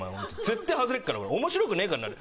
絶対外れっから面白くねえかんな